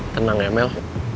tenang ya mel